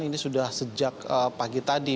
ini sudah sejak pagi tadi